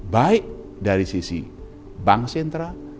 baik dari sisi bank sentral